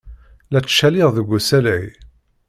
La ttcaliɣ deg usalay.